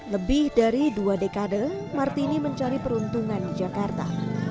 lebih dari dua dekade martini mencari peruntungan di jakarta